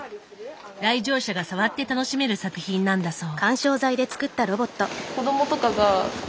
来場者が触って楽しめる作品なんだそう。